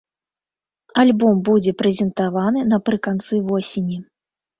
Альбом будзе прэзентаваны напрыканцы восені.